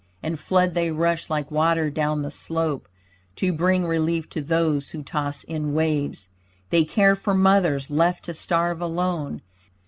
In flood they rush like water down the slope To bring relief to those who toss in waves. They care for mothers left to starve, alone.